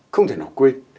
không thể nào quên